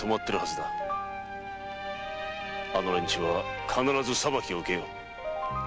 あの連中は必ず裁きを受けよう。